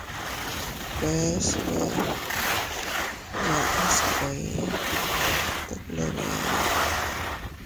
Bees bee yaʼas kuee, tet ndebe ee.